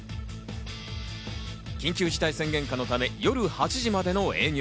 緊急事態宣言下のため夜８時までの営業。